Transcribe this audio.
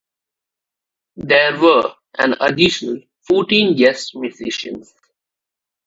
There were an additional fourteen guest musicians.